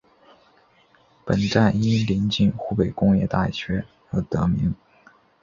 本站因临近湖北工业大学而得名。